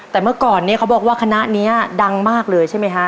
แต่เมื่อก่อนเนี่ยเขาบอกว่าคณะนี้ดังมากเลยใช่ไหมคะ